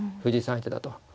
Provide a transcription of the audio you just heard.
相手だと。